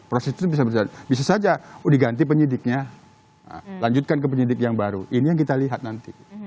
proses itu bisa berjalan bisa saja diganti penyidiknya lanjutkan ke penyidik yang baru ini yang kita lihat nanti